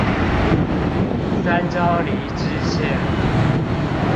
三張犁支線